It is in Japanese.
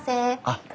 あっ。